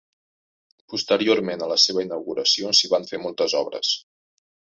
Posteriorment a la seva inauguració s'hi van fer moltes obres.